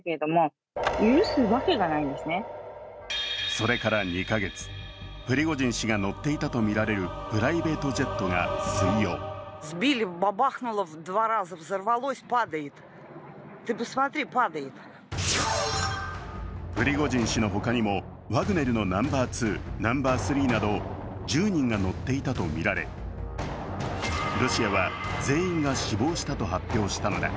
それから２か月、プリゴジン氏が乗っていたとみられるプライベートジェットが水曜プリゴジン氏の他にもワグネルのナンバー２、ナンバー３など１０人が乗っていたとみられロシアは全員が死亡したと発表したのだ。